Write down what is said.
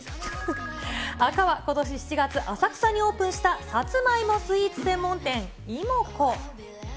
赤はことし７月、浅草にオープンしたさつまいもスイーツ専門店、芋こ。